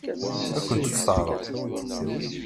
Ad kent-tt-teɛṛeḍ?